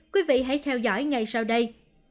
quý vị hãy theo dõi ngay sau đây